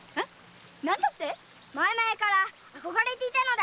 何だって⁉前々から憧れていたのだ。